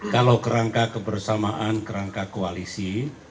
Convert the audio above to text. kalau kerangka kebersamaan kerangka koalisi